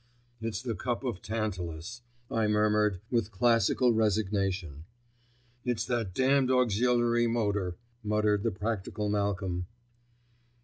"It's the cup of Tantalus," I murmured, with classical resignation. "It's that damned auxiliary motor," muttered the practical Malcolm.